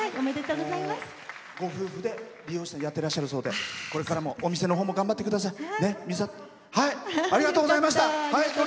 ご夫婦で理容師さんやっていらっしゃるそうでこれからもお店のほうも頑張ってください。